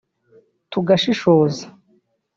tugashishoza